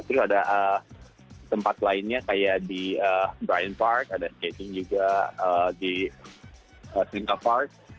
terus ada tempat lainnya kayak di bryant park ada ice skating juga di sling cup park